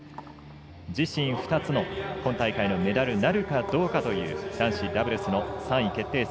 自身２つの今大会のメダルなるかどうかという男子ダブルスの３位決定戦。